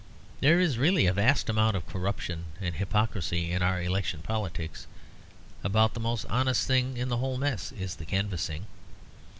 There is really a vast amount of corruption and hypocrisy in our election politics; about the most honest thing in the whole mess is the canvassing.